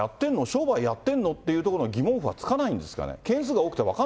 商売やってんのっていうところの疑問符はつかないんですかね。